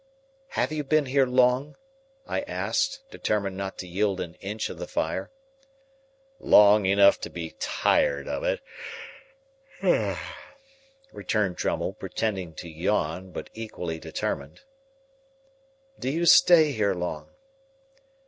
"Have you been here long?" I asked, determined not to yield an inch of the fire. "Long enough to be tired of it," returned Drummle, pretending to yawn, but equally determined. "Do you stay here long?"